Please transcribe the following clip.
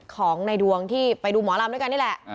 ของในดวงที่ไปดูหมอลำด้วยกันนี่แหละ